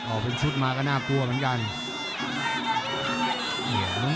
ออกเป็นชุดมาก็น่ากลัวเหมือนกัน